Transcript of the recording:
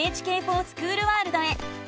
「ＮＨＫｆｏｒＳｃｈｏｏｌワールド」へ。